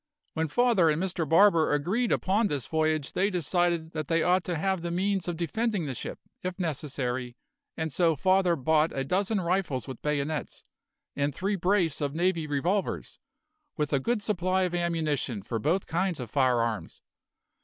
"When Father and Mr Barber agreed upon this voyage they decided that they ought to have the means of defending the ship, if necessary, and so Father bought a dozen rifles with bayonets, and three brace of navy revolvers, with a good supply of ammunition for both kinds of firearms.